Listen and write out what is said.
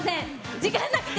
時間なくて。